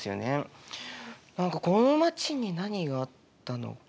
何かこの街に何があったのか。